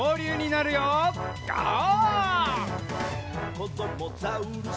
「こどもザウルス